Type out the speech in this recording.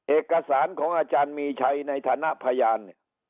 เอกสารของอาจารย์มีใช้ในฐานะพยาน